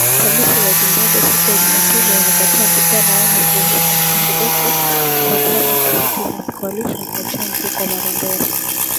Polisi wa Zimbabwe, siku ya Jumapili walikataa kutoa maoni kuhusu marufuku kwa chama cha Citizens’ Coalition for Change huko Marondera